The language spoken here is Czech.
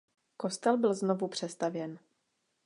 Kostel byl znovu přestavěn.